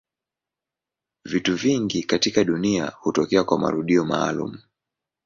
Vitu vingi katika dunia hutokea kwa marudio maalumu.